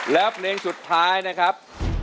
แล้วเพลงสุดท้ายนะครับ